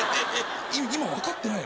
今分かってないの？